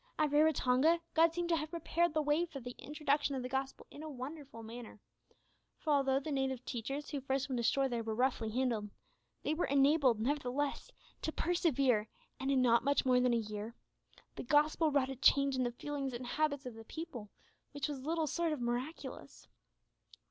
At Raratonga, God seemed to have prepared the way for the introduction of the Gospel in a wonderful manner, for although the native teachers who first went ashore there were roughly handled, they were enabled, nevertheless, to persevere, and in not much more than a single year, the Gospel wrought a change in the feelings and habits of the people, which was little short of miraculous.